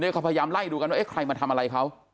เขาพยายามไล่ดูกันว่าเอ๊ะใครมาทำอะไรเขา